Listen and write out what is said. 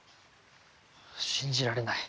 信じられない。